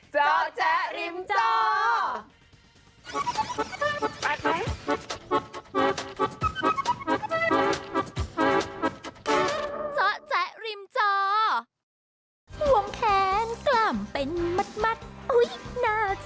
เจ้าแจ๊ะริมเจ้า